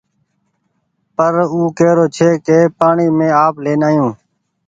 پر او ڪيرو ڇي ڪي پآڻيٚ مينٚ آپ لين آيون